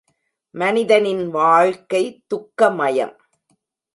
மனிதனின் வாழ்க்கை துக்க மயம்.